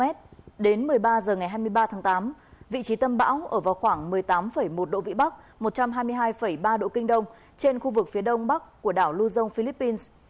đến một mươi ba h ngày hai mươi ba tháng tám vị trí tâm bão ở vào khoảng một mươi tám một độ vĩ bắc một trăm hai mươi hai ba độ kinh đông trên khu vực phía đông bắc của đảo lưu dông philippines